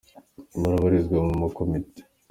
Babarizwa mu makomite